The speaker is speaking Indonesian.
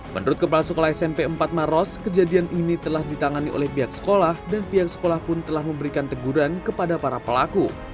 menurut kepala sekolah smp empat maros kejadian ini telah ditangani oleh pihak sekolah dan pihak sekolah pun telah memberikan teguran kepada para pelaku